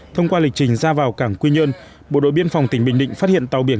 thông qua lịch trình ra vào cảng quy nhơn bộ đội biên phòng tỉnh bình định phát hiện tàu biển